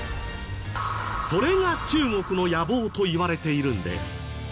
それが中国の野望といわれているんです。